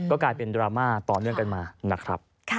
ก็กลายเป็นดราม่าต่อเนื่องกันมานะครับ